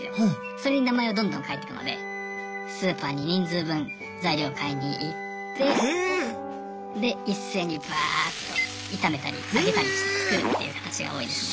それに名前をどんどん書いてくのでスーパーに人数分材料を買いに行ってで一斉にバーッと炒めたり揚げたりして作るっていう形が多いですね。